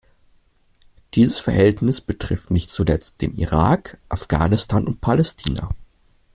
Dieses Verhältnis betrifft nicht zuletzt den Irak, Afghanistan und Palästina.